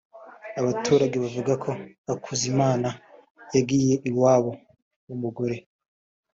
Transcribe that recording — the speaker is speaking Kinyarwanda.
Abaturage baravuga ko Hakuzimana yagiye iwabo w’umugore